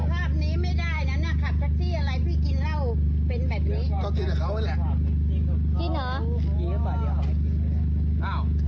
กินเหรออ้าวส่งให้น้องเหรอเนี่ยพี่ขับรถนะเนี่ย